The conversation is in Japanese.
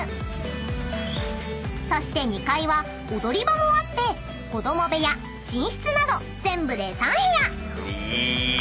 ［そして２階は踊り場もあって子供部屋寝室など全部で３部屋］